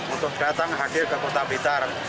untuk datang hadir ke kota blitar